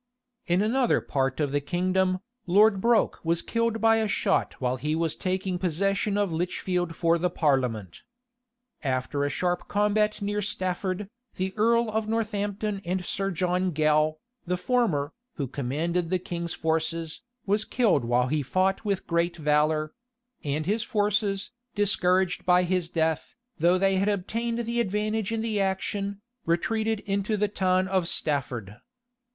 In another part of the kingdom, Lord Broke was killed by a shot while he was taking possession of Lichfield for the parliament.[*] After a sharp combat near Stafford, between the earl of Northampton and Sir John Gell, the former, who commanded the king's forces, was killed while he fought with great valor; and his forces, discouraged by his death, though they had obtained the advantage in the action, retreated into the town of Stafford.